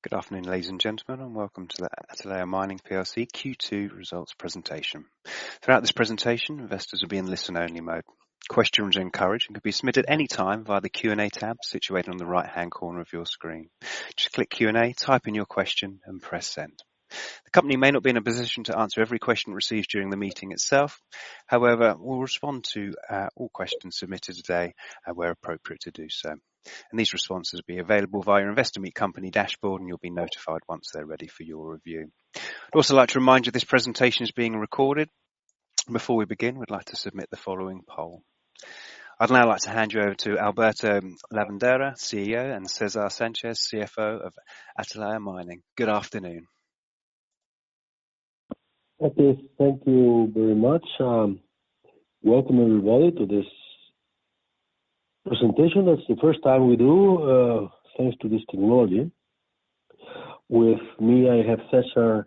Good afternoon, ladies and gentlemen, and welcome to the Atalaya Mining plc Q2 results presentation. Throughout this presentation, investors will be in listen-only mode. Questions are encouraged and can be submitted at any time via the Q&A tab situated on the right-hand corner of your screen. Just click Q&A, type in your question, and press send. The company may not be in a position to answer every question received during the meeting itself. However, we'll respond to all questions submitted today, where appropriate to do so. These responses will be available via Investor Meet Company dashboard, and you'll be notified once they're ready for your review. I'd also like to remind you this presentation is being recorded. Before we begin, we'd like to submit the following poll. I'd now like to hand you over to Alberto Lavandeira, CEO, and César Sánchez, CFO of Atalaya Mining. Good afternoon. Thank you very much. Welcome, everybody, to this presentation. That's the first time we do, thanks to this technology. With me, I have César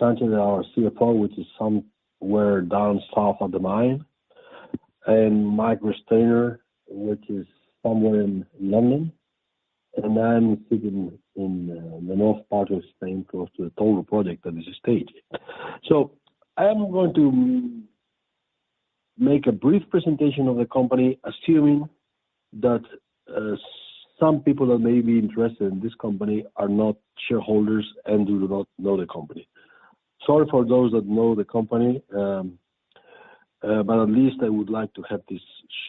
Sánchez, our CFO, which is somewhere down south of the mine, and Michael Rechsteiner, which is somewhere in London. I'm sitting in the north part of Spain, close to the Touro project that is stated. I am going to make a brief presentation of the company, assuming that some people that may be interested in this company are not shareholders and do not know the company. Sorry for those that know the company, at least I would like to have this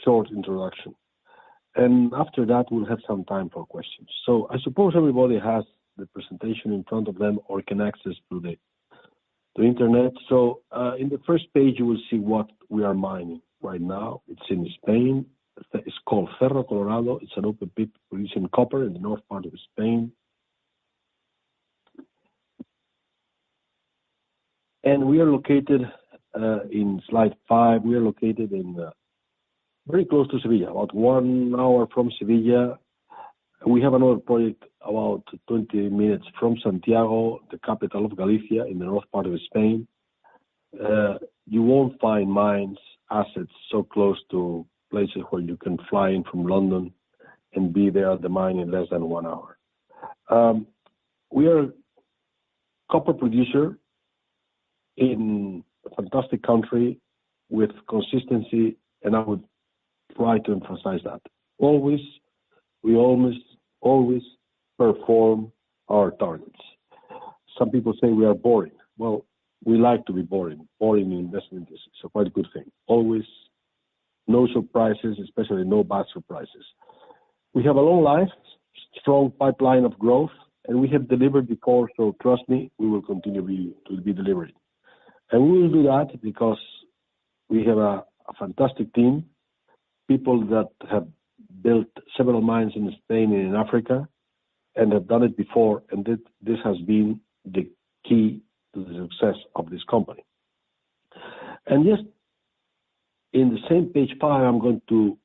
short introduction. After that, we'll have some time for questions. I suppose everybody has the presentation in front of them or can access through the internet. In the first page, you will see what we are mining right now. It's in Spain. It's called Cerro Colorado. It's an open pit producing copper in the north part of Spain. We are located, in slide five, we are located very close to Sevilla, about one hour from Sevilla. We have another project about 20 minutes from Santiago de Compostela, the capital of Galicia in the north part of Spain. You won't find mine's assets so close to places where you can fly in from London and be there at the mine in less than one hour. We are a copper producer in a fantastic country with consistency. I would try to emphasize that. We almost always perform our targets. Some people say we are boring. Well, we like to be boring. Boring in investment is quite a good thing. Always no surprises, especially no bad surprises. We have a long life, strong pipeline of growth, and we have delivered before. Trust me, we will continue to be delivering. We will do that because we have a fantastic team, people that have built several mines in Spain and in Africa, and have done it before, and this has been the key to the success of this company. Just in the same page five, I'm going to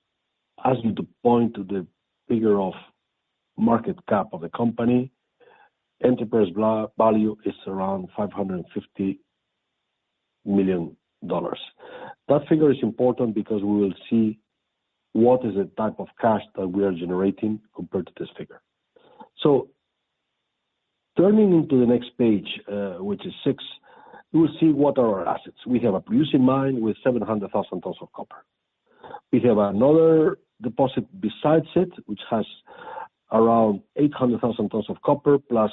ask you to point to the figure of market cap of the company. Enterprise value is around $550 million. That figure is important because we will see what is the type of cash that we are generating compared to this figure. Turning into the next page, which is six, you will see what are our assets. We have a producing mine with 700,000 tons of copper. We have another deposit besides it, which has around 800,000 tons of copper plus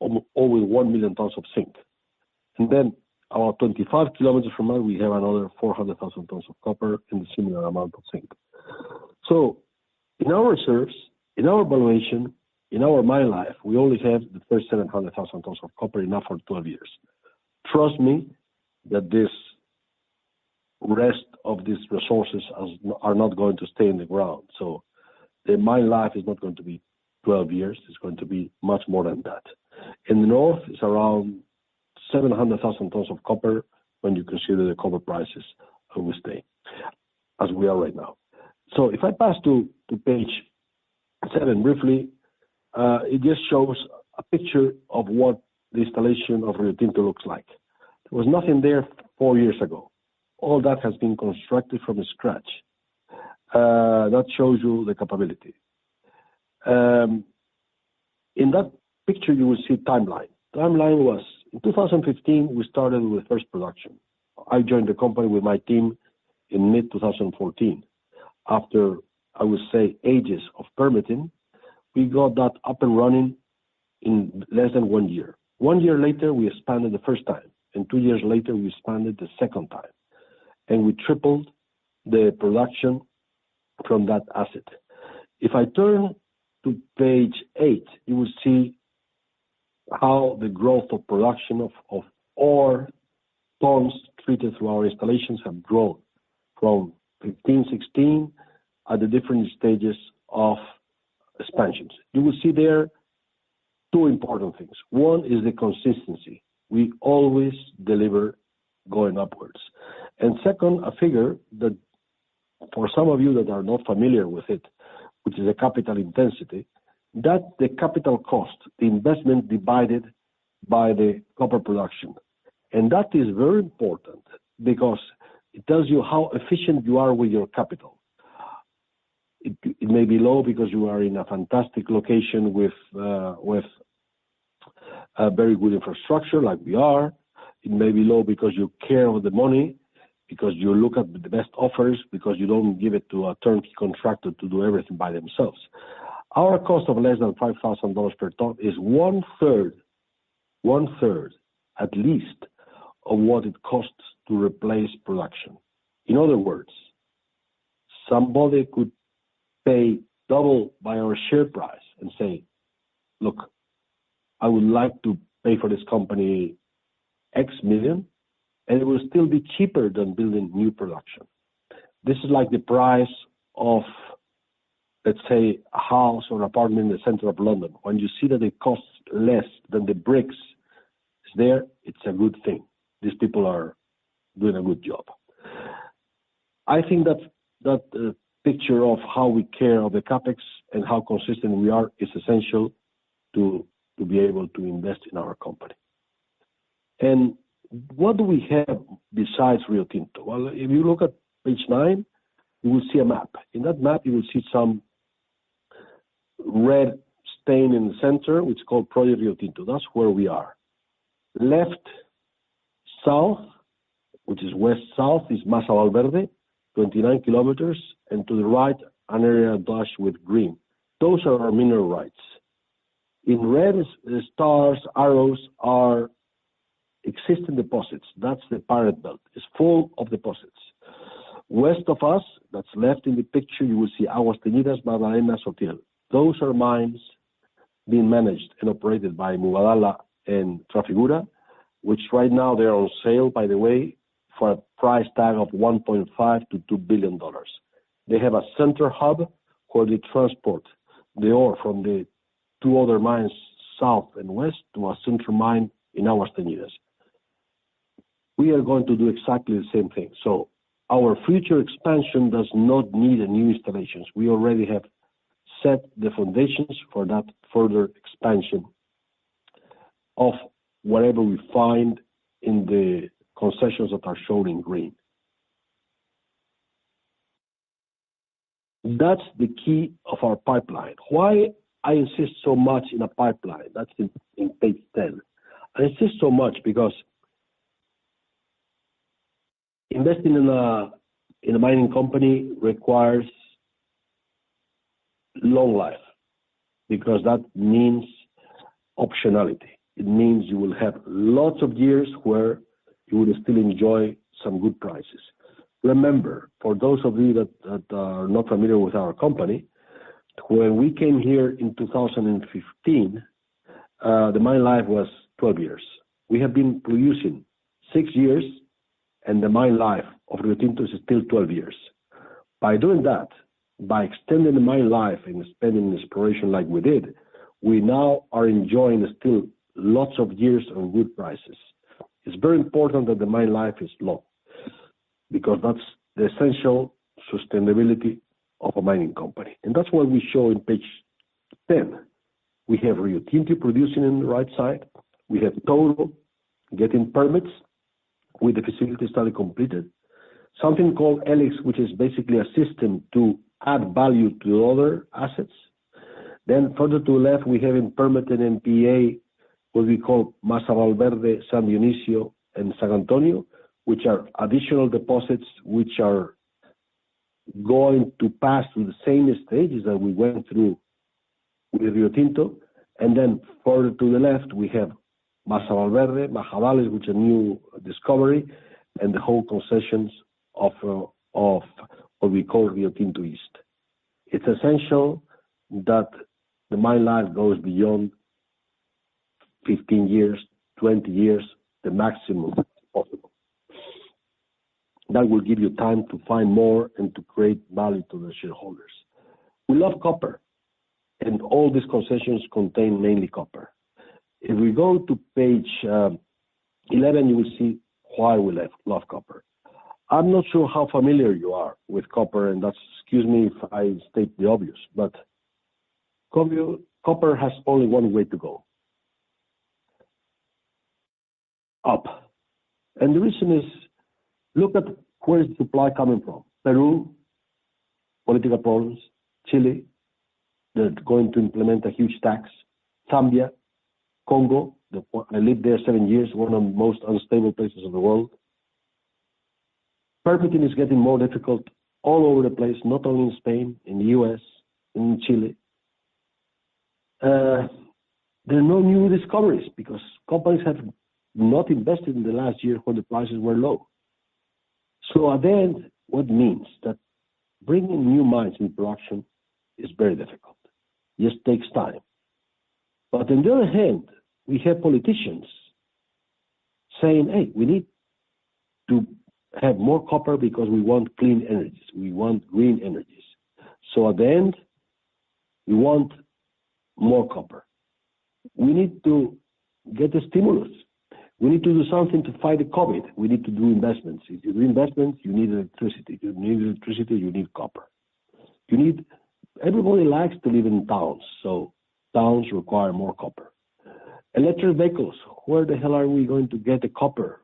over 1 million tons of zinc. Then about 25 km from there, we have another 400,000 tons of copper and a similar amount of zinc. In our reserves, in our valuation, in our mine life, we only have the first 700,000 tons of copper, enough for 12 years. Trust me that this rest of these resources are not going to stay in the ground. The mine life is not going to be 12 years. It's going to be much more than that. In the north, it's around 700,000 tons of copper when you consider the copper prices as we are right now. If I pass to page seven briefly, it just shows a picture of what the installation of Riotinto looks like. There was nothing there four years ago. All that has been constructed from scratch. That shows you the capability. In that picture, you will see timeline. Timeline was, in 2015, we started with first production. I joined the company with my team in mid-2014. After, I would say, ages of permitting, we got that up and running in less than one year. One year later, we expanded the first time, and two years later, we expanded the second time. We tripled the production from that asset. If I turn to page eight, you will see how the growth of production of ore tons treated through our installations have grown from 2015, 2016, at the different stages of expansions. You will see there two important things. One is the consistency. We always deliver going upwards. Second, a figure that for some of you that are not familiar with it, which is a capital intensity, that the capital cost, the investment divided by the copper production. That is very important because it tells you how efficient you are with your capital. It may be low because you are in a fantastic location with very good infrastructure, like we are. It may be low because you care about the money, because you look at the best offers, because you don't give it to a turnkey contractor to do everything by themselves. Our cost of less than EUR 5,000 per ton is 1/3, at least, of what it costs to replace production. In other words, somebody could pay double our share price and say, "Look, I would like to pay for this company X million," and it will still be cheaper than building new production. This is like the price of, let's say, a house or an apartment in the center of London. When you see that it costs less than the bricks there, it's a good thing. These people are doing a good job. I think that picture of how we care of the CapEx and how consistent we are is essential to be able to invest in our company. What do we have besides Riotinto? Well, if you look at page nine, you will see a map. In that map, you will see some red stain in the center, which is called Proyecto Riotinto. That's where we are. Left, south, which is west south, is Masa Valverde, 29 km, and to the right, an area dashed with green. Those are our mineral rights. In red, the stars, arrows are existing deposits. That's the Pyrite Belt. It's full of deposits. West of us, that's left in the picture, you will see Aguas Teñidas, Magdalena, Sotiel. Those are mines being managed and operated by Mubadala and Trafigura. Right now, they're on sale, by the way, for a price tag of $1.5 billion-$2 billion. They have a center hub where they transport the ore from the two other mines, south and west, to a central mine in Aguas Teñidas. We are going to do exactly the same thing. Our future expansion does not need new installations. We already have set the foundations for that further expansion of whatever we find in the concessions that are shown in green. That's the key of our pipeline. Why I insist so much on a pipeline. That's in page 10. I insist so much because investing in a mining company requires long life, because that means optionality. It means you will have lots of years where you will still enjoy some good prices. Remember, for those of you that are not familiar with our company, when we came here in 2015, the mine life was 12 years. We have been producing six years, and the mine life of Riotinto is still 12 years. By doing that, by extending the mine life and expanding exploration like we did, we now are enjoying still lots of years of good prices. It's very important that the mine life is long, because that's the essential sustainability of a mining company. That's what we show on page 10. We have Riotinto producing in the right side. We have Touro getting permits with the feasibility study completed. Something called E-LIX, which is basically a system to add value to other assets. Further to the left, we have in permit an MPA, what we call Masa Valverde, San Dionisio, and San Antonio. Which are additional deposits which are going to pass through the same stages that we went through with Riotinto. Further to the left, we have Masa Valverde, Majadales, which a new discovery, and the whole concessions of what we call Riotinto East. It's essential that the mine life goes beyond 15 years, 20 years, the maximum possible. That will give you time to find more and to create value to the shareholders. We love copper, and all these concessions contain mainly copper. If we go to page 11, you will see why we love copper. I'm not sure how familiar you are with copper, and excuse me if I state the obvious, but copper has only one way to go. Up. The reason is, look at where the supply coming from. Peru, political problems. Chile, they're going to implement a huge tax. Zambia, Congo. I lived there seven years, one of the most unstable places in the world. Permitting is getting more difficult all over the place, not only in Spain, in the U.S., in Chile. There are no new discoveries because companies have not invested in the last year when the prices were low. At the end, what it means that bringing new mines in production is very difficult. Just takes time. On the other hand, we have politicians saying, "Hey, we need to have more copper because we want clean energies. We want green energies." At the end, we want more copper. We need to get a stimulus. We need to do something to fight the COVID. We need to do investments. If you do investments, you need electricity. You need electricity, you need copper. Everybody likes to live in towns require more copper. Electric vehicles. Where the hell are we going to get the copper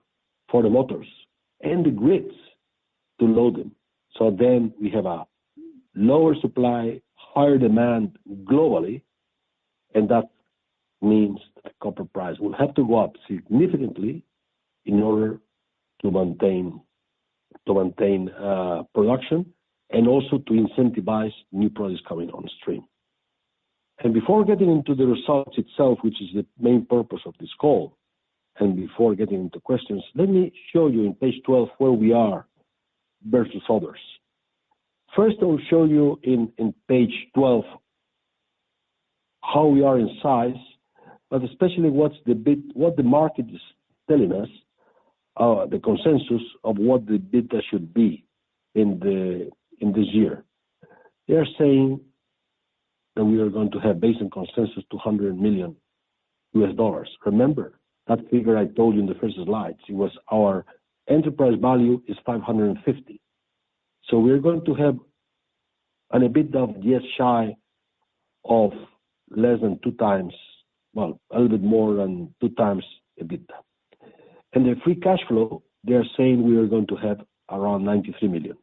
for the motors and the grids to load them? We have a lower supply, higher demand globally, and that means the copper price will have to go up significantly in order to maintain production and also to incentivize new projects coming on stream. Before getting into the results itself, which is the main purpose of this call, and before getting into questions, let me show you on page 12 where we are versus others. First, I will show you on page 12 how we are in size, but especially what the market is telling us, the consensus of what the EBITDA should be in this year. They are saying that we are going to have a base and consensus of $200 million. Remember that figure I told you in the first slides. It was our enterprise value is $550 million. We're going to have an EBITDA just shy of little bit more than 2x EBITDA. The free cash flow, they are saying we are going to have around $93 million.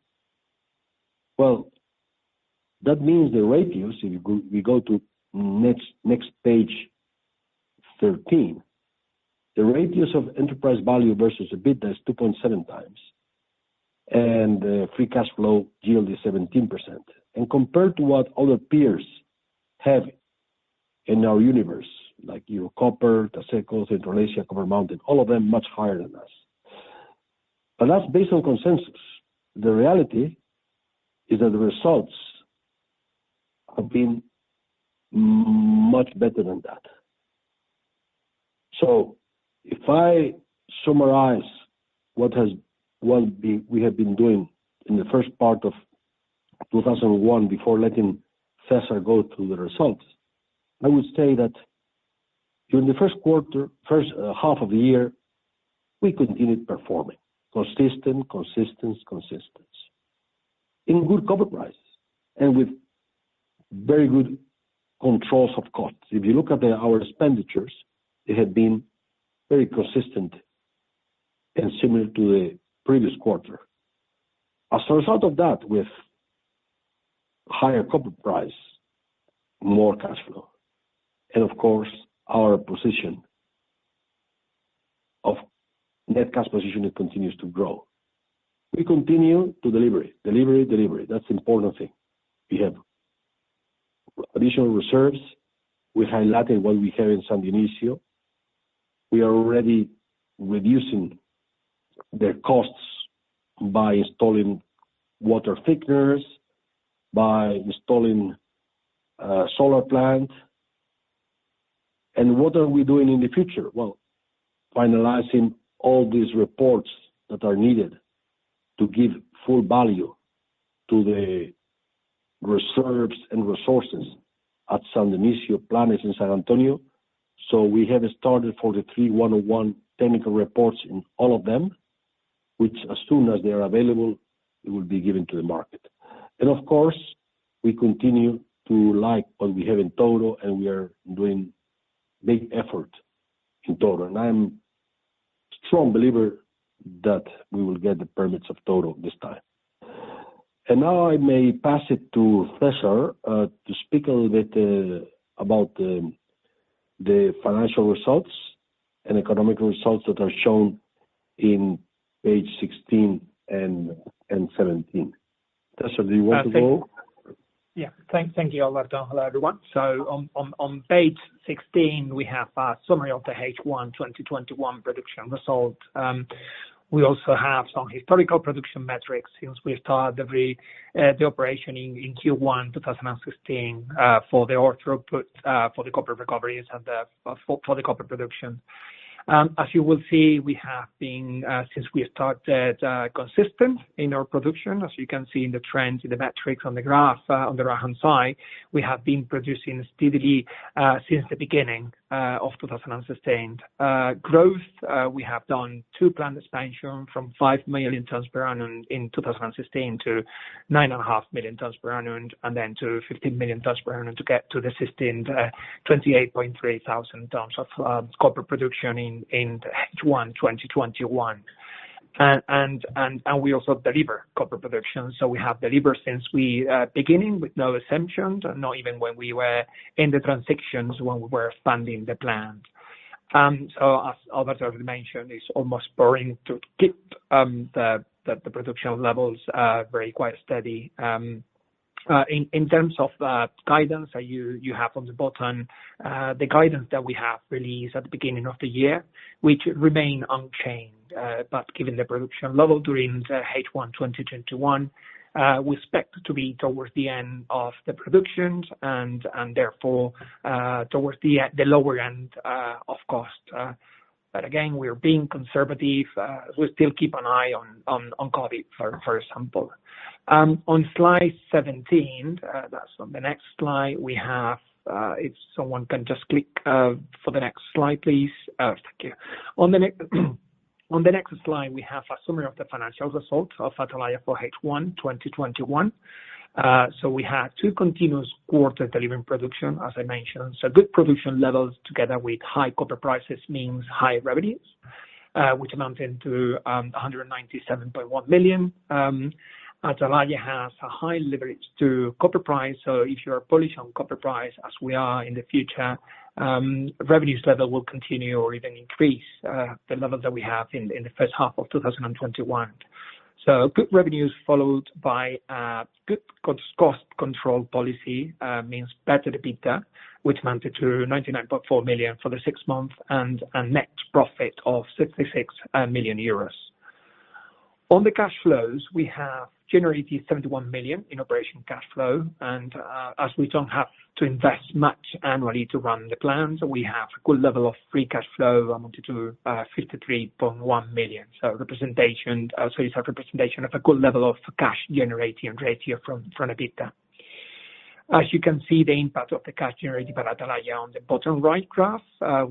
That means the ratios, if we go to next page 13. The ratios of enterprise value versus EBITDA is 2.7x, and the free cash flow yield is 17%. Compared to what other peers have in our universe, like Ero Copper, Taseko, Central Asia, Copper Mountain, all of them much higher than us. That's based on consensus. The reality is that the results have been much better than that. If I summarize what we have been doing in the first part of 2001 before letting César go through the results, I would say that during the 1st half of the year, we continued performing, consistent in good copper prices and with very good controls of costs. If you look at our expenditures, they have been very consistent and similar to the previous quarter. As a result of that, with higher copper price, more cash flow, and of course, our net cash position continues to grow. We continue to deliver. That's the important thing. We have additional reserves. We highlighted what we have in San Dionisio. We are already reducing the costs by installing water thickeners, by installing a solar plant. What are we doing in the future? Finalizing all these reports that are needed to give full value to the reserves and resources at San Dionisio, Planes and San Antonio. We have started the three NI 43-101 technical reports in all of them, which as soon as they are available, will be given to the market. Of course, we continue to like what we have in Touro, and we are doing big effort in Touro. I am a strong believer that we will get the permits of Touro this time. I may pass it to César to speak a little bit about the financial results and economic results that are shown on pages 16 and 17. César, do you want to go? Thank you, Alberto. Hello, everyone. On page 16, we have a summary of the H1 2021 production results. We also have some historical production metrics since we started the operation in Q1 2016 for the ore throughput, for the copper recoveries, and for the copper production. As you will see, since we started, we have been consistent in our production. As you can see in the trends, in the metrics on the graph on the right-hand side. We have been producing steadily since the beginning of 2000, with sustained growth. We have done two plant expansion from 5 million tons per annum in 2016 to 9.5 million tons per annum, and then to 15 million tons per annum to get to the sustained 28,300 tons of copper production in H1 2021. We also deliver copper production. We have delivered since we beginning with no exemptions, not even when we were in the transactions when we were expanding the plant. As Alberto mentioned, it's almost boring to keep the production levels very quite steady. In terms of guidance, you have on the bottom the guidance that we have released at the beginning of the year, which remain unchanged. Given the production level during the H1 2021, we expect to be towards the end of the productions and therefore towards the lower end of cost. Again, we are being conservative. We still keep an eye on COVID, for example. On slide 17. That's on the next slide. If someone can just click for the next slide, please. Thank you. On the next slide, we have a summary of the financial results of Atalaya for H1 2021. We had two continuous quarter delivering production, as I mentioned. Good production levels together with high copper prices means high revenues, which amounted to 197.1 million. Atalaya has a high leverage to copper price, if you are bullish on copper price, as we are, in the future, revenues level will continue or even increase the levels that we have in the first half of 2021. Good revenues followed by good cost control policy means better EBITDA, which amounted to 99.4 million for the six months, and a net profit of 66 million euros. On the cash flows, we have generated 71 million in operation cash flow. As we don't have to invest much annually to run the plans, we have a good level of free cash flow amounted to 53.1 million. It's a representation of a good level of cash generating ratio from EBITDA. As you can see, the impact of the cash generated by Atalaya on the bottom right graph, where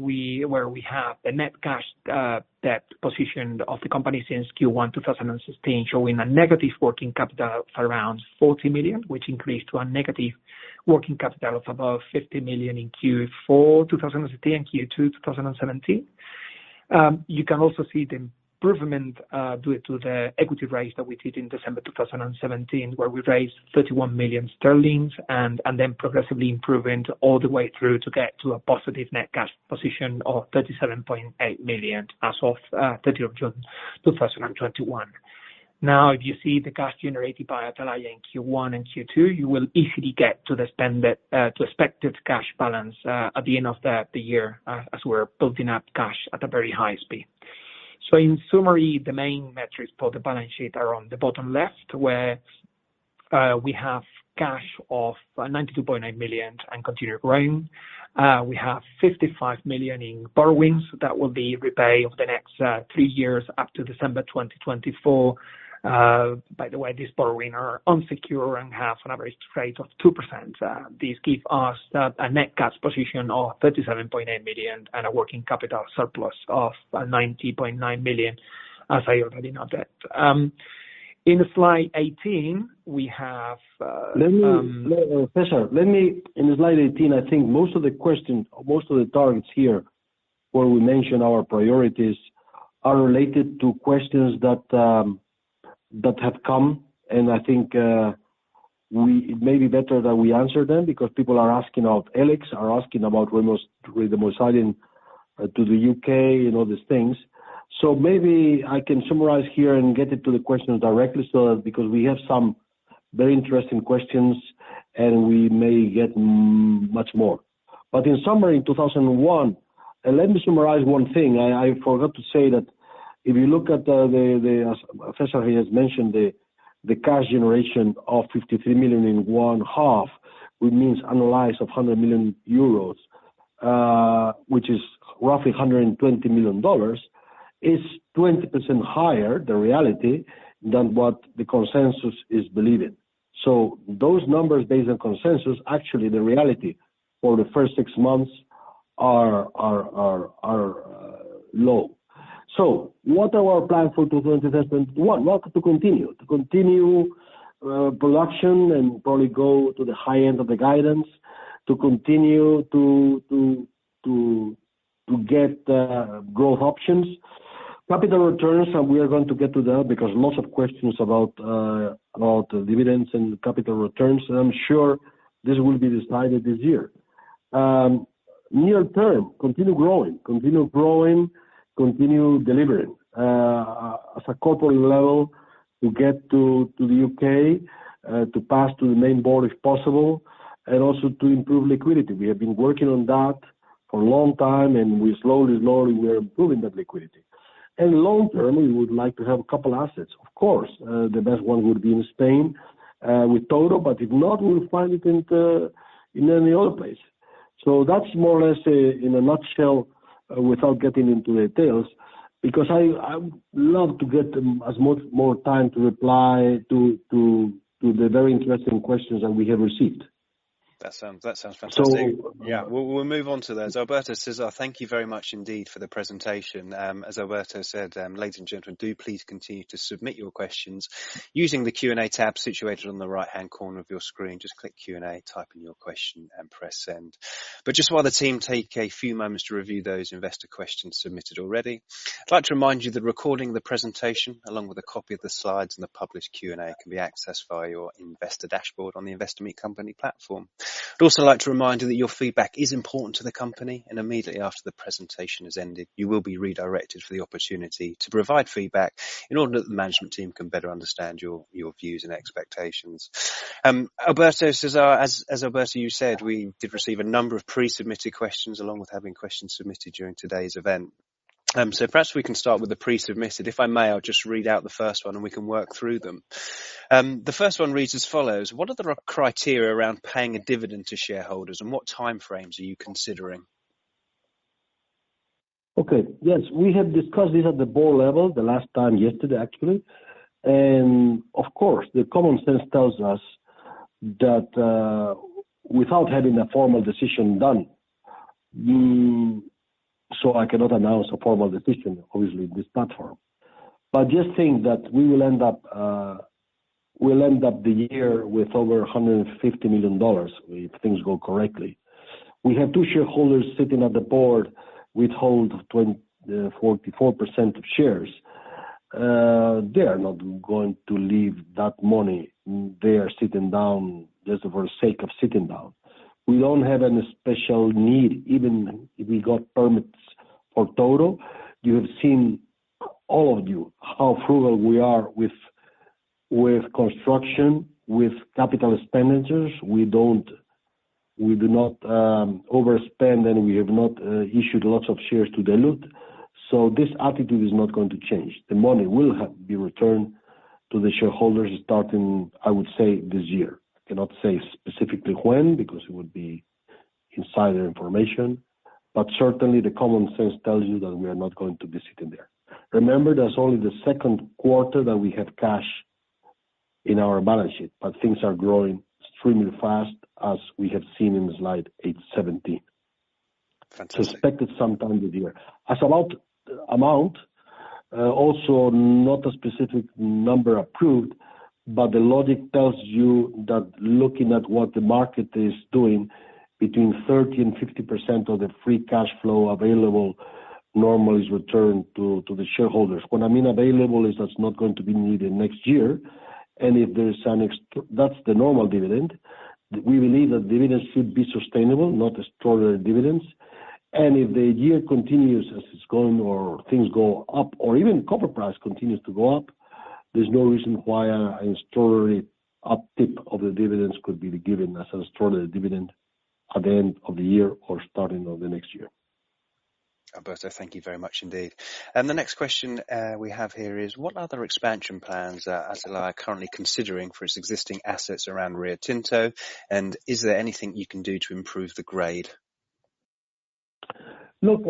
we have the net cash, that position of the company since Q1 2016, showing a negative working capital of around 40 million, which increased to a negative working capital of above 50 million in Q4 2016, Q2 2017. You can also see the improvement due to the equity raise that we did in December 2017, where we raised 31 million sterling and then progressively improving all the way through to get to a positive net cash position of 37.8 million as of 30th June 2021. If you see the cash generated by Atalaya in Q1 and Q2, you will easily get to expected cash balance at the end of the year, as we're building up cash at a very high speed. In summary, the main metrics for the balance sheet are on the bottom left, where we have cash of 92.9 million and continue growing. We have 55 million in borrowings that will be repaid over the next three years up to December 2024. By the way, these borrowings are unsecured and have an average rate of 2%. These give us a net cash position of 37.8 million and a working capital surplus of 90.9 million, as I already noted. In slide 18, we have. César, in slide 18, I think most of the targets here, where we mention our priorities, are related to questions that have come, I think it may be better that we answer them because people are asking about E-LIX, are asking about when are we most signing to the U.K. and all these things. Maybe I can summarize here and get into the questions directly, because we have some very interesting questions and we may get much more. In summary, in 2001, let me summarize one thing. I forgot to say that if you look at, as César has mentioned, the cash generation of 53 million in one half, which means annualize of 100 million euros, which is roughly $120 million, is 20% higher, the reality, than what the consensus is believing. Those numbers based on consensus, actually the reality for the first six months are low. What are our plans for 2021? Well, to continue. To continue production and probably go to the high end of the guidance, to continue to get growth options. Capital returns, we are going to get to that because lots of questions about dividends and capital returns, and I'm sure this will be decided this year. Near term, continue growing. Continue growing, continue delivering. At a corporate level, to get to the U.K., to pass to the main board if possible, and also to improve liquidity. We have been working on that for a long time, slowly we are improving that liquidity. Long term, we would like to have a couple assets. Of course, the best one would be in Spain, with Touro, but if not, we'll find it in any other place. That's more or less, in a nutshell, without getting into the details, because I would love to get as more time to reply to the very interesting questions that we have received. That sounds fantastic. So- We'll move on to those. Alberto Lavandeira, César Sánchez, thank you very much indeed for the presentation. As Alberto Lavandeira said, ladies and gentlemen, do please continue to submit your questions using the Q&A tab situated on the right-hand corner of your screen. Just click Q&A, type in your question and press send. Just while the team take a few moments to review those investor questions submitted already, I'd like to remind you that a recording of the presentation, along with a copy of the slides and the published Q&A, can be accessed via your investor dashboard on the Investor Meet Company platform. I'd also like to remind you that your feedback is important to the company. Immediately after the presentation has ended, you will be redirected for the opportunity to provide feedback in order that the management team can better understand your views and expectations. Alberto, César, as Alberto, you said, we did receive a number of pre-submitted questions along with having questions submitted during today's event. Perhaps we can start with the pre-submitted. If I may, I'll just read out the first one, and we can work through them. The first one reads as follows: What are the criteria around paying a dividend to shareholders, and what time frames are you considering? Okay. Yes. We have discussed this at the board level the last time, yesterday actually. Of course, the common sense tells us that without having a formal decision done, so I cannot announce a formal decision, obviously, this platform. Just think that we'll end up the year with over $150 million if things go correctly. We have two shareholders sitting at the board with hold 44% of shares. They are not going to leave that money there sitting down just for the sake of sitting down. We don't have any special need. Even if we got permits for Touro, you have seen, all of you, how frugal we are with construction, with capital expenditures. We do not overspend, and we have not issued lots of shares to dilute. This attitude is not going to change. The money will be returned to the shareholders starting, I would say, this year. I cannot say specifically when, because it would be insider information, but certainly the common sense tells you that we are not going to be sitting there. Remember, that is only the second quarter that we have cash in our balance sheet, but things are growing extremely fast as we have seen in slide 8-17. Fantastic. Expected some time this year. As amount, also not a specific number approved, but the logic tells you that looking at what the market is doing, between 30%-50% of the free cash flow available normally is returned to the shareholders. What I mean available is that's not going to be needed next year. That's the normal dividend. We believe that dividends should be sustainable, not extraordinary dividends. If the year continues as it's going or things go up or even copper price continues to go up, there's no reason why an extraordinary uptick of the dividends could be given as an extraordinary dividend at the end of the year or starting of the next year. Alberto, thank you very much indeed. The next question we have here is, what other expansion plans are Atalaya currently considering for its existing assets around Riotinto? Is there anything you can do to improve the grade? Look,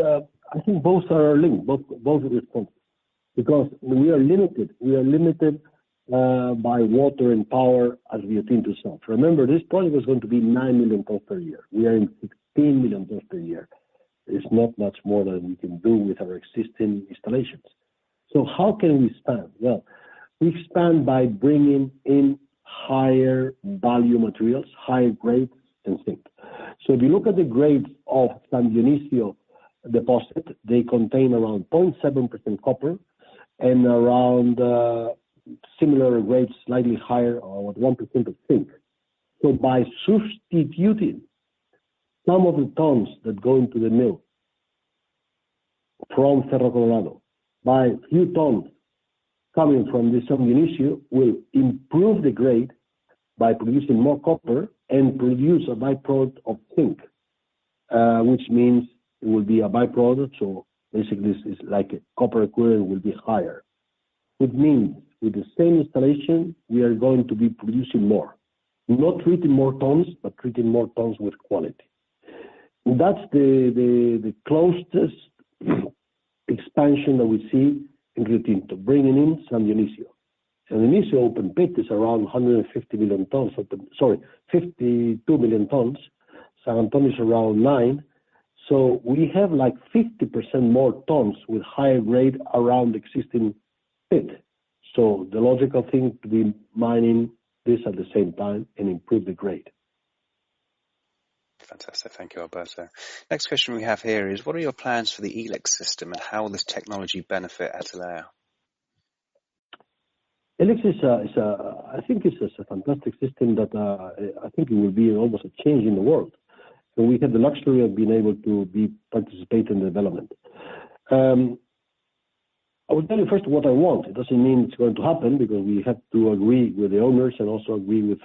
I think both are linked, both of these points. We are limited. We are limited by water and power as Rio Tinto itself. Remember, this project was going to be 9 million tons per year. We are in 16 million tons per year. It's not much more than we can do with our existing installations. How can we expand? Well, we expand by bringing in higher value materials, higher grades, and zinc. If you look at the grades of San Dionisio deposit, they contain around 0.7% copper and around similar grades, slightly higher or 1% of zinc. By substituting some of the tons that go into the mill from Cerro Colorado, by a few tons coming from San Dionisio, will improve the grade by producing more copper and produce a by-product of zinc, which means it will be a by-product, so basically, this is like a copper equivalent will be higher. It means with the same installation, we are going to be producing more. Not treating more tons, but treating more tons with quality. That's the closest expansion that we see in Riotinto, bringing in San Dionisio. San Dionisio open pit is around 150 million tons. Sorry, 52 million tons. San Antonio is around nine. We have 50% more tons with higher grade around existing pit. The logical thing to be mining this at the same time and improve the grade. Fantastic. Thank you, Alberto. Next question we have here is, what are your plans for the E-LIX System and how will this technology benefit Atalaya? ELEX, I think it's a fantastic system that I think it will be almost a change in the world. We had the luxury of being able to participate in the development. I will tell you first what I want. It doesn't mean it's going to happen because we have to agree with the owners and also agree with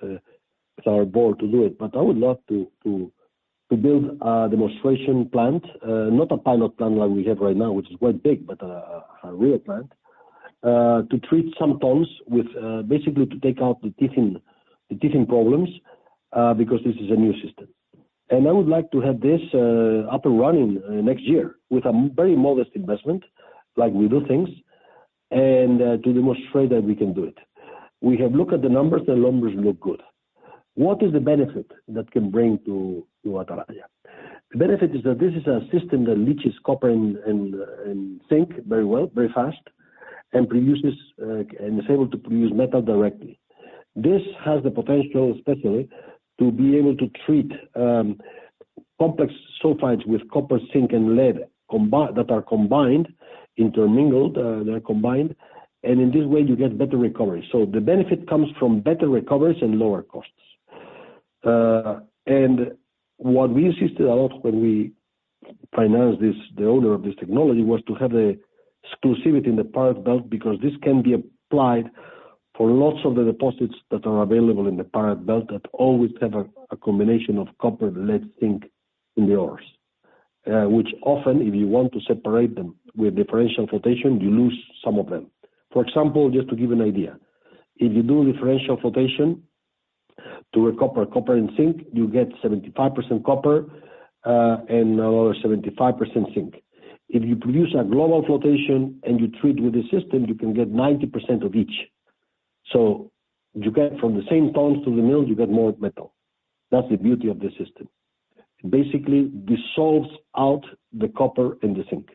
our board to do it. I would love to build a demonstration plant, not a pilot plant like we have right now, which is quite big, but a real plant, to treat some tons basically to take out the teething problems, because this is a new system. I would like to have this up and running next year with a very modest investment, like we do things, and to demonstrate that we can do it. We have looked at the numbers, the numbers look good. What is the benefit that can bring to Atalaya? The benefit is that this is a system that leaches copper and zinc very well, very fast, and is able to produce metal directly. This has the potential, especially, to be able to treat complex sulfides with copper, zinc, and lead that are combined, intermingled, they're combined, and in this way, you get better recovery. The benefit comes from better recoveries and lower costs. What we insisted a lot when we financed this, the owner of this technology, was to have the exclusivity in the Iberian Pyrite Belt because this can be applied for lots of the deposits that are available in the Iberian Pyrite Belt that always have a combination of copper, lead, zinc in the ores. Which often, if you want to separate them with differential flotation, you lose some of them. For example, just to give you an idea. If you do differential flotation to recover copper and zinc, you get 75% copper and another 75% zinc. If you produce a bulk flotation and you treat with the system, you can get 90% of each. From the same tons to the mill, you get more metal. That's the beauty of this system. It basically dissolves out the copper and the zinc.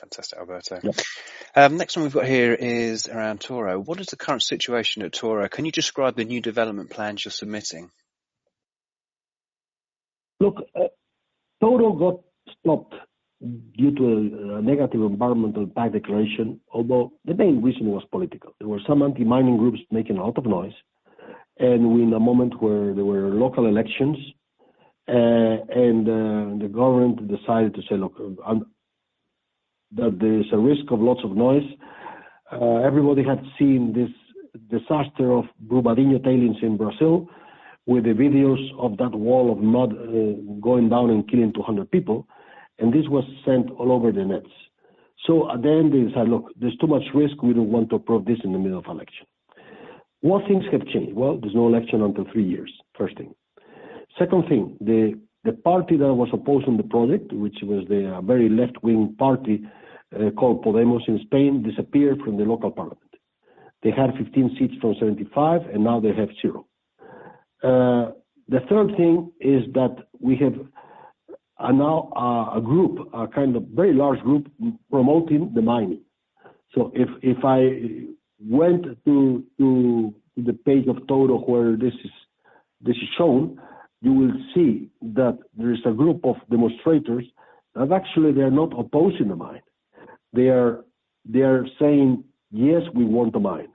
Fantastic, Alberto. Yeah. Next one we've got here is around Touro. What is the current situation at Touro? Can you describe the new development plans you're submitting? Look, Touro got stopped due to a negative environmental impact declaration, although the main reason was political. There were some anti-mining groups making a lot of noise, and in a moment where there were local elections, and the government decided to say, look, that there is a risk of lots of noise. Everybody had seen this disaster of Brumadinho tailings in Brazil with the videos of that wall of mud going down and killing 200 people, and this was sent all over the net. At the end, they decided, look, there's too much risk, we don't want to approve this in the middle of election. What things have changed? Well, there's no election until three years. First thing. Second thing, the party that was opposing the project, which was the very left-wing party, called Podemos in Spain, disappeared from the local parliament. They had 15 seats from 75, and now they have 0. The third thing is that we have now a group, a kind of very large group promoting the mining. If I went to the page of Touro where this is shown, you will see that there is a group of demonstrators that actually they're not opposing the mine. They are saying, "Yes, we want the mine."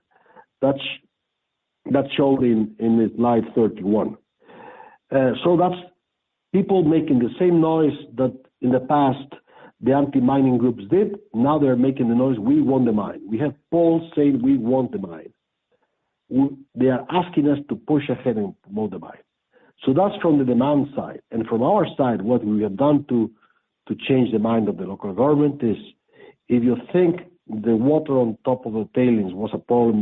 That's shown in slide 31. That's people making the same noise that in the past the anti-mining groups did. Now they're making the noise, "We want the mine." We have polls saying we want the mine. They are asking us to push ahead and promote the mine. That's from the demand side. From our side, what we have done to change the mind of the local government is, if you think the water on top of the tailings was a problem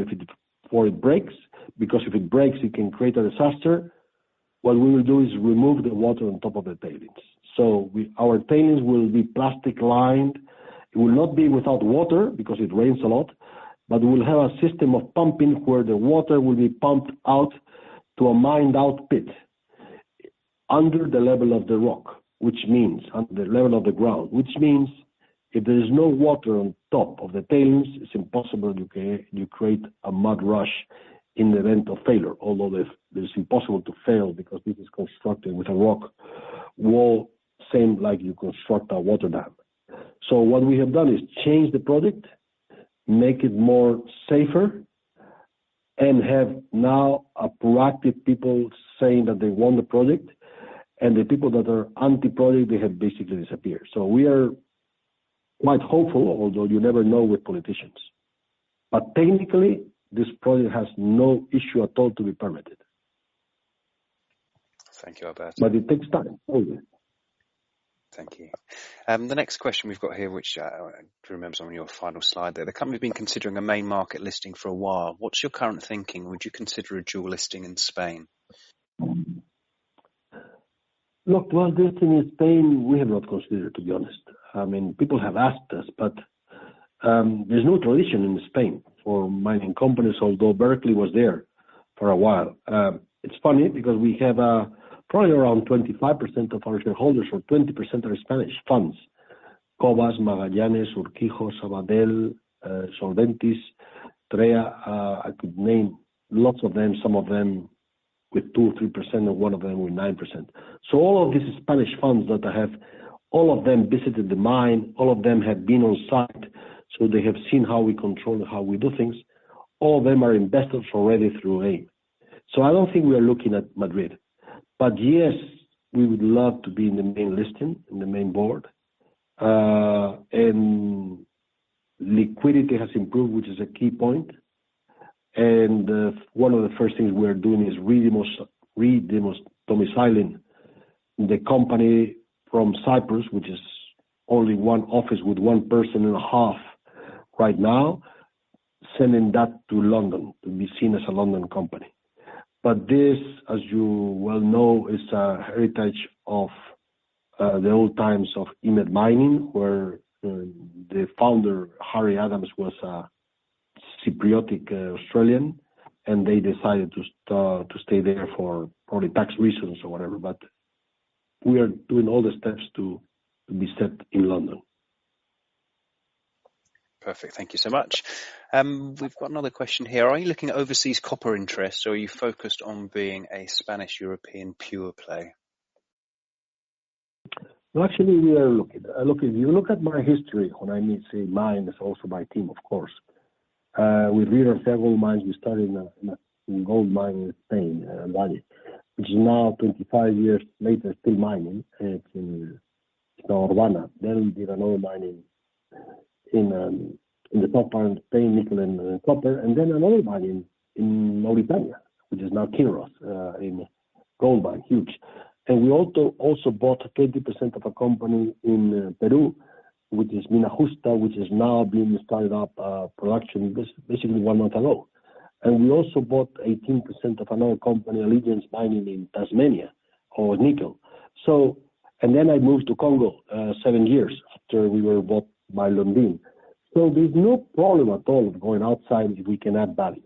for it breaks, because if it breaks, it can create a disaster. What we will do is remove the water on top of the tailings. Our tailings will be plastic-lined. It will not be without water because it rains a lot, but we'll have a system of pumping where the water will be pumped out to a mined-out pit under the level of the rock. Which means under the level of the ground. Which means if there is no water on top of the tailings, it's impossible you create a mud rush in the event of failure. Although that is impossible to fail because this is constructed with a rock wall, same like you construct a water dam. What we have done is change the product, make it safer, and have now a proactive people saying that they want the product, and the people that are anti-product, they have basically disappeared. We are quite hopeful, although you never know with politicians. Technically, this project has no issue at all to be permitted. Thank you, Alberto. It takes time. Always. Thank you. The next question we've got here, which I remember is on your final slide there. The company's been considering a main market listing for a while. What's your current thinking? Would you consider a dual listing in Spain? Look, well, listing in Spain, we have not considered, to be honest. I mean, people have asked us, but there's no tradition in Spain for mining companies, although Berkeley was there for a while. It's funny because we have probably around 25% of our shareholders or 20% are Spanish funds. Cobas, Magallanes, Urquijo, Sabadell, Solventis, Trea AM. I could name lots of them, some of them with 2% or 3% and one of them with 9%. All of these Spanish funds that I have, all of them visited the mine, all of them have been on site, so they have seen how we control and how we do things. All of them are investors already through AIM. I don't think we are looking at Madrid. Yes, we would love to be in the main listing, in the main board. Liquidity has improved, which is a key point. One of the first things we are doing is re-domiciling the company from Cyprus, which is only one office with one person and a half right now, sending that to London to be seen as a London company. This, as you well know, is a heritage of the old times of Inmet Mining, where the founder, Harry Anagnostaras-Adams, was a Cypriotic Australian, and they decided to stay there for probably tax reasons or whatever. We are doing all the steps to be set in London. Perfect. Thank you so much. We've got another question here. Are you looking at overseas copper interests, or are you focused on being a Spanish European pure play? Well, actually, we are looking. If you look at my history, when I say mine, it is also my team, of course. With several mines, we started in gold mining in Spain, El Valle-Boinás, which is now 25 years later, still mining. It is in Orvana. We did another mine in the top part of Spain, nickel and copper. Another mine in Mauritania, which is now Kinross, in gold mine. Huge. We also bought 20% of a company in Peru, which is Mina Justa, which is now being started up production, basically one month ago. We also bought 18% of another company, Allegiance Mining, in Tasmania, for nickel. Then I moved to Congo seven years after we were bought by Lundin. There is no problem at all of going outside if we can add value.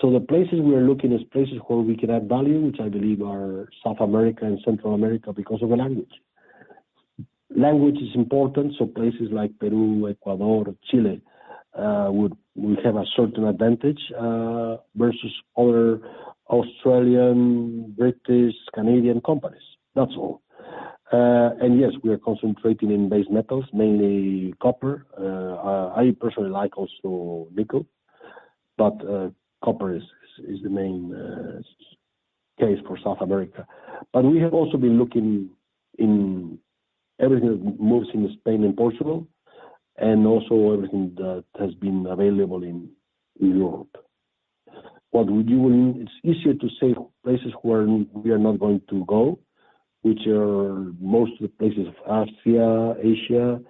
The places we are looking is places where we can add value, which I believe are South America and Central America because of the language. Language is important, so places like Peru, Ecuador, Chile, we have a certain advantage versus other Australian, British, Canadian companies. That's all. Yes, we are concentrating in base metals, mainly copper. I personally like also nickel, but copper is the main case for South America. We have also been looking in everything that moves in Spain and Portugal and also everything that has been available in Europe. What we do, and it's easier to say places where we are not going to go, which are most of the places of Asia,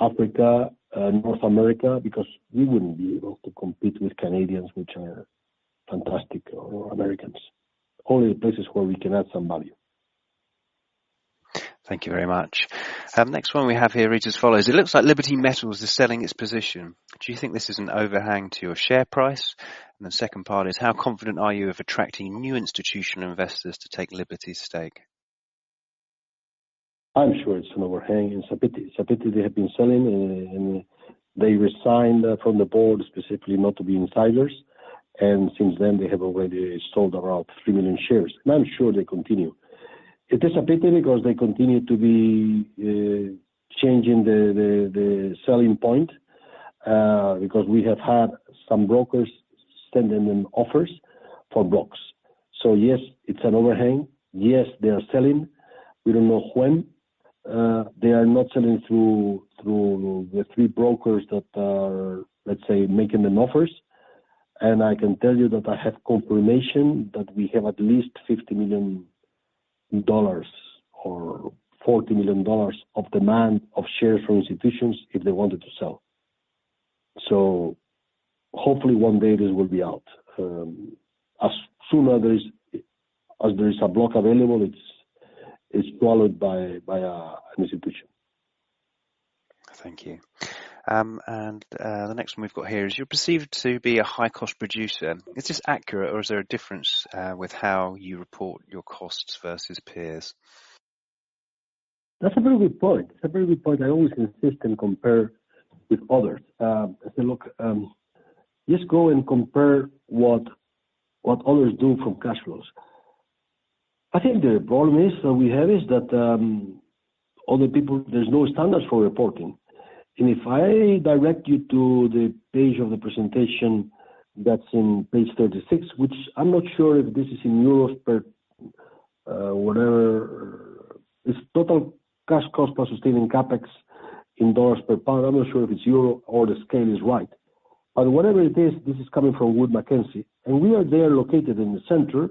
Africa, North America, because we wouldn't be able to compete with Canadians, which are fantastic, or Americans. Only the places where we can add some value. Thank you very much. Next one we have here reads as follows: "It looks like Liberty Metals is selling its position. Do you think this is an overhang to your share price?" The second part is, "How confident are you of attracting new institutional investors to take Liberty's stake? I'm sure it's an overhang. It's a pity they have been selling, and they resigned from the board specifically not to be insiders, and since then they have already sold around three million shares. I'm sure they'll continue. It is a pity because they continue to be changing the selling point, because we have had some brokers sending them offers for blocks. Yes, it's an overhang. Yes, they are selling. We don't know when. They are not selling through the three brokers that are, let's say, making them offers. I can tell you that I have confirmation that we have at least $50 million or $40 million of demand of shares from institutions if they wanted to sell. Hopefully one day this will be out. As soon as there is a block available, it's swallowed by an institution. Thank you. The next one we've got here is: "You're perceived to be a high-cost producer. Is this accurate or is there a difference with how you report your costs versus peers?" That's a very good point. It's a very good point. I always insist and compare with others. I say, "Look, just go and compare what others do from cash flows." I think the problem is, that we have is that other people, there's no standards for reporting. If I direct you to the page of the presentation that's in page 36, which I'm not sure if this is in euros per whatever. It's total cash cost plus sustaining CapEx in dollars per pound. I'm not sure if it's euro or the scale is right. Whatever it is, this is coming from Wood Mackenzie. We are there located in the center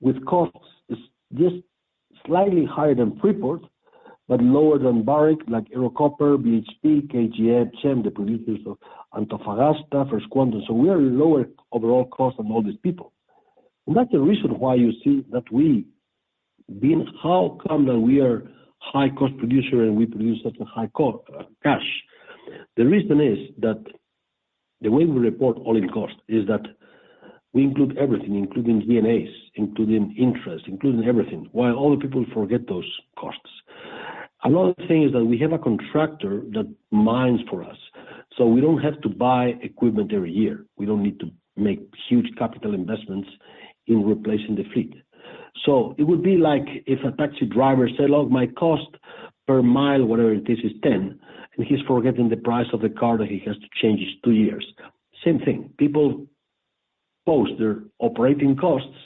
with costs just slightly higher than Freeport, but lower than Barrick, like Ero Copper, BHP, KGHM, CHM, the producers of Antofagasta, First Quantum. We are lower overall cost than all these people. That's the reason why you see that we, being how come that we are high cost producer and we produce at a high cash. The reason is that the way we report all-in cost is that we include everything, including D&A, including interest, including everything, while other people forget those costs. Another thing is that we have a contractor that mines for us. We don't have to buy equipment every year. We don't need to make huge capital investments in replacing the fleet. It would be like if a taxi driver said, "Look, my cost per mile, whatever it is 10." He's forgetting the price of the car that he has to change each two years. Same thing. People post their operating costs,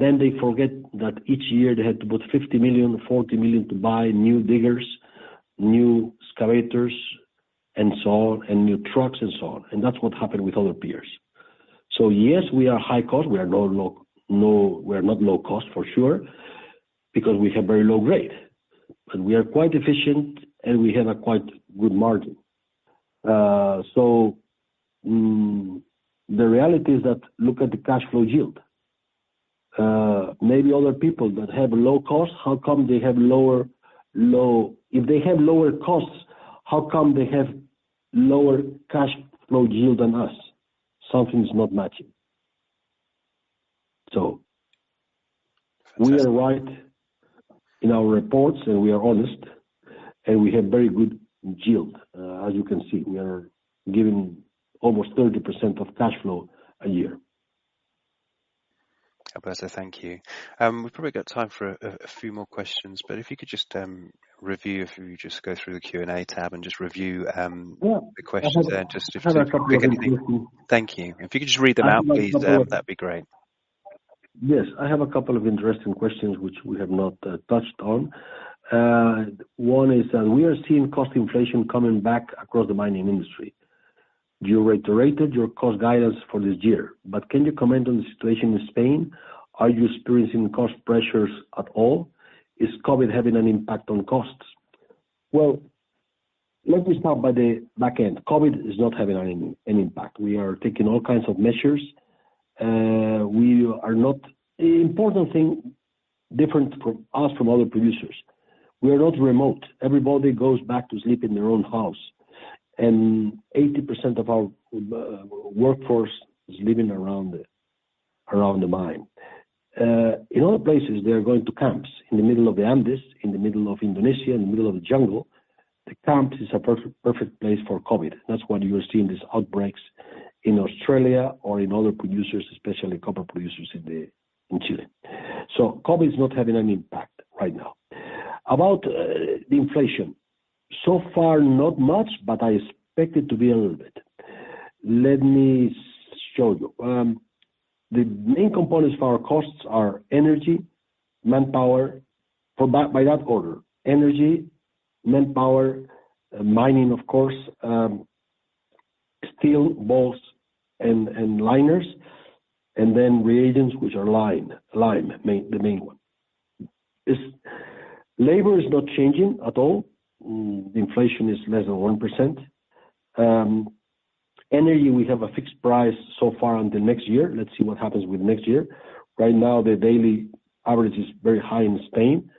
then they forget that each year they had to put $50 million, $40 million to buy new diggers, new excavators and so on, and new trucks and so on. That's what happened with other peers. Yes, we are high cost. We are not low cost, for sure, because we have very low grade. We are quite efficient, and we have a quite good margin. The reality is that look at the cash flow yield. Maybe other people that have low cost, how come they have lower cash flow yield than us? Something's not matching. We are right in our reports, and we are honest, and we have very good yield. As you can see, we are giving almost 30% of cash flow a year. Alberto, thank you. We've probably got time for a few more questions, but if you just go through the Q&A tab. Yeah The questions there and just if you could read anything. Thank you. If you could just read them out, please, that would be great. Yes. I have a couple of interesting questions which we have not touched on. One is, "We are seeing cost inflation coming back across the mining industry." You reiterated your cost guidance for this year. Can you comment on the situation in Spain? Are you experiencing cost pressures at all? Is COVID having an impact on costs? Let me start by the back end. COVID is not having any impact. We are taking all kinds of measures. Important thing, different from us from other producers, we are not remote. Everybody goes back to sleep in their own house, and 80% of our workforce is living around the mine. In other places, they're going to camps in the middle of the Andes, in the middle of Indonesia, in the middle of the jungle. The camps is a perfect place for COVID. That's why you are seeing these outbreaks in Australia or in other producers, especially copper producers in Chile. COVID is not having an impact right now. About the inflation. So far, not much, but I expect it to be a little bit. Let me show you. The main components for our costs are energy, manpower, by that order. Energy, manpower, mining, of course, steel balls and liners, and then reagents, which are lime, the main one. Labor is not changing at all. Inflation is less than 1%. Energy, we have a fixed price so far until next year. Let's see what happens with next year. Right now, the daily average is very high in Spain.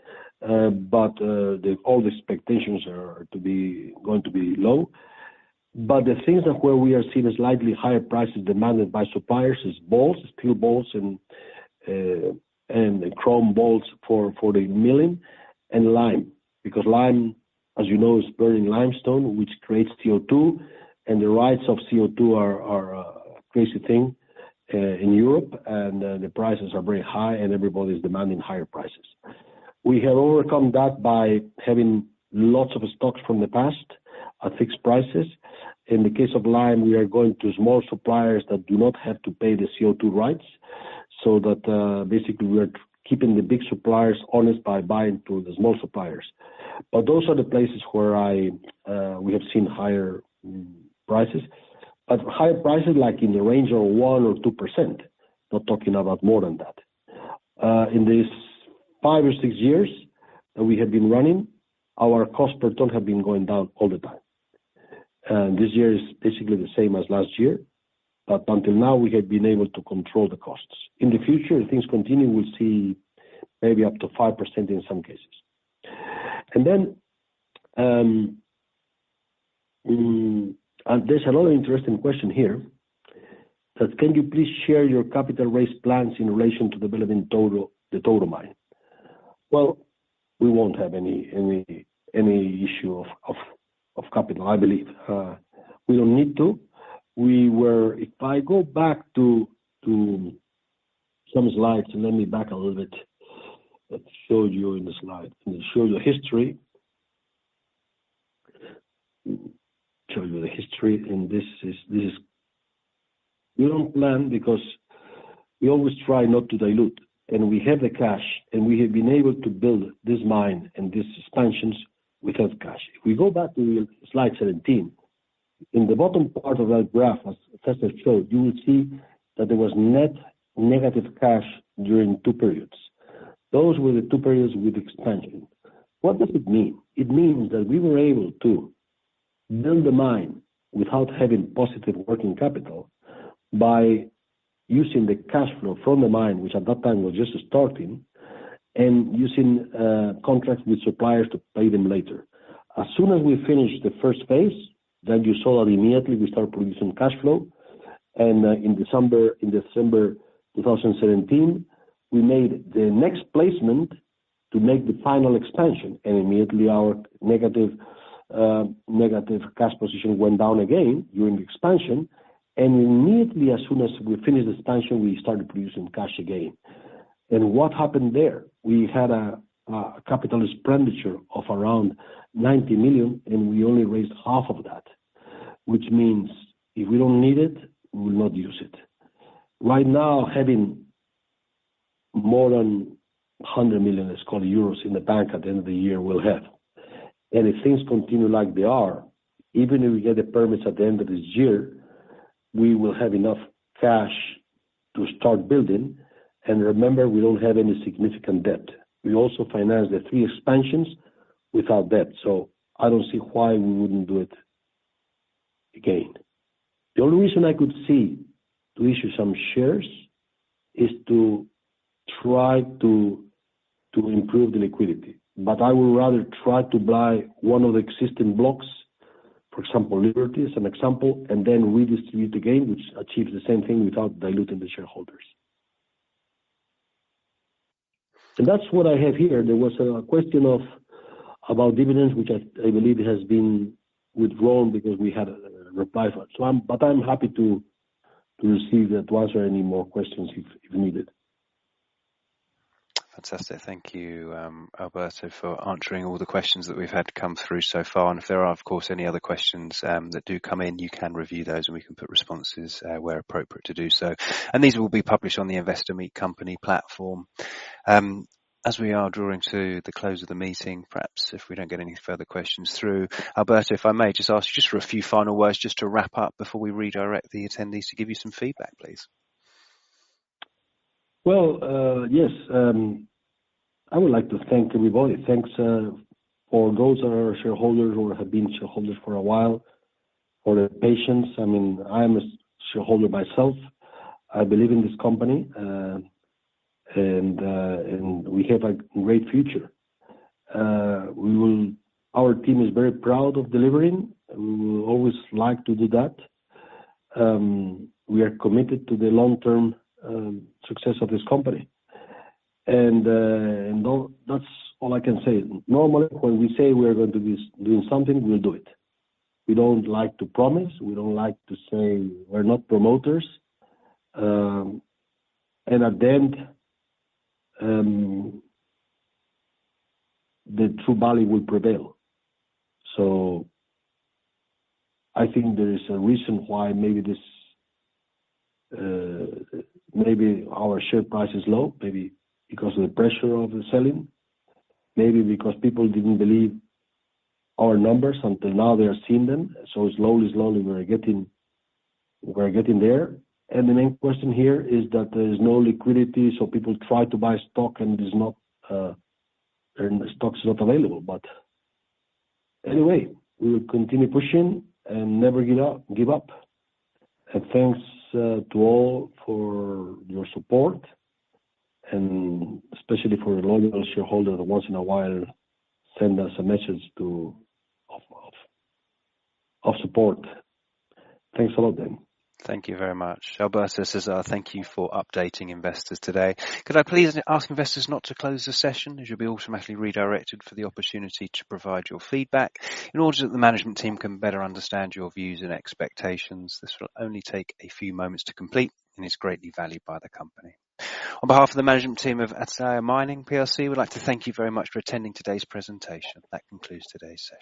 All the expectations are going to be low. The things that where we are seeing slightly higher prices demanded by suppliers is balls, steel balls, and chrome balls for the milling, and lime. Lime, as you know, is burning limestone, which creates CO2, and the rights of CO2 are a crazy thing in Europe. The prices are very high and everybody's demanding higher prices. We have overcome that by having lots of stocks from the past at fixed prices. In the case of lime, we are going to small suppliers that do not have to pay the CO2 rights. Basically we are keeping the big suppliers honest by buying through the small suppliers. Those are the places where we have seen higher prices. Higher prices like in the range of 1% or 2%, not talking about more than that. In these five or six years that we have been running, our costs per ton have been going down all the time. This year is basically the same as last year. Until now, we have been able to control the costs. In the future, if things continue, we'll see maybe up to 5% in some cases. There's another interesting question here that, "Can you please share your capital raise plans in relation to developing the Touro Mine?" Well, we won't have any issue of capital, I believe. We don't need to. If I go back to some slides. Let's show you in the slide. Let me show you history. Show you the history, and we don't plan because we always try not to dilute, and we have the cash, and we have been able to build this mine and these expansions with that cash. If we go back to slide 17. In the bottom part of that graph, as César showed, you will see that there was net negative cash during two periods. Those were the two periods with expansion. What does it mean? It means that we were able to build the mine without having positive working capital by using the cash flow from the mine, which at that time was just starting, and using contracts with suppliers to pay them later. As soon as we finished the first phase, you saw that immediately we start producing cash flow. In December 2017, we made the next placement to make the final expansion, immediately our negative cash position went down again during the expansion. Immediately, as soon as we finished expansion, we started producing cash again. What happened there? We had a CapEx of around 90 million, and we only raised half of that. Which means if we don't need it, we will not use it. Right now, having more than 100 million in the bank at the end of the year, we'll have. If things continue like they are, even if we get the permits at the end of this year, we will have enough cash to start building. Remember, we don't have any significant debt. We also financed the three expansions without debt. I don't see why we wouldn't do it again. The only reason I could see to issue some shares is to try to improve the liquidity. I would rather try to buy one of the existing blocks, for example, Liberty is an example, redistribute again, which achieves the same thing without diluting the shareholders. That's what I have here. There was a question about dividends, which I believe has been withdrawn because we had a reply for it. I'm happy to receive it, to answer any more questions if needed. Fantastic. Thank you, Alberto, for answering all the questions that we've had come through so far. If there are, of course, any other questions that do come in, you can review those, and we can put responses where appropriate to do so. These will be published on the Investor Meet Company platform. As we are drawing to the close of the meeting, perhaps if we don't get any further questions through, Alberto, if I may just ask just for a few final words just to wrap up before we redirect the attendees to give you some feedback, please. Well, yes. I would like to thank everybody. Thanks for those who are shareholders who have been shareholders for a while, for their patience. I am a shareholder myself. I believe in this company, and we have a great future. Our team is very proud of delivering. We will always like to do that. We are committed to the long-term success of this company, and that's all I can say. Normally, when we say we are going to be doing something, we'll do it. We don't like to promise. We're not promoters. At the end, the true value will prevail. I think there is a reason why maybe our share price is low, maybe because of the pressure of the selling, maybe because people didn't believe our numbers until now they're seeing them. Slowly, we're getting there. The main question here is that there is no liquidity. People try to buy stock. The stock is not available. Anyway, we will continue pushing and never give up. Thanks to all for your support, and especially for loyal shareholders who once in a while send us a message of support. Thanks a lot then. Thank you very much. Alberto, César, thank you for updating investors today. Could I please ask investors not to close the session as you'll be automatically redirected for the opportunity to provide your feedback in order that the management team can better understand your views and expectations? This will only take a few moments to complete and is greatly valued by the company. On behalf of the management team of Atalaya Mining plc, we'd like to thank you very much for attending today's presentation. That concludes today's session.